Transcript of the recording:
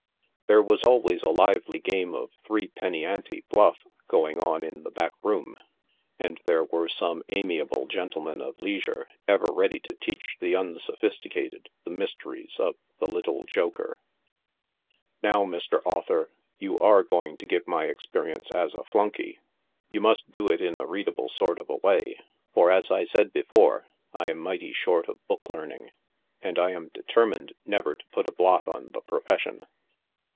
There was always a lively game of three penny ante bluff going on in the back room, and there were some amiable gentlemen of leisure ever ready to teadi the unsophisticated the mysteries of the little joker. Now, Mr. Author, you are going to give my experience as a Flun key • you must do it in a readable sort of a way, for, as I said be fore, I am mighty short of book learning, and I am determined never to put a blotron the profession.